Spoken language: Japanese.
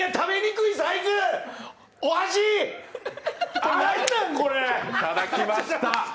いただきました！